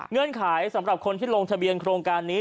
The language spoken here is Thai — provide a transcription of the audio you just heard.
เงื่อนไขสำหรับคนที่ลงทะเบียนโครงการนี้